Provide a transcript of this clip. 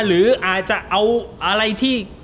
หรืออาจจะเอาอะไรที่